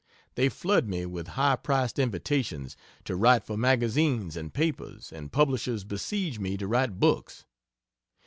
They flood me with high priced invitations to write for magazines and papers, and publishers besiege me to write books.